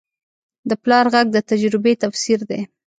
د پلار غږ د تجربې تفسیر دی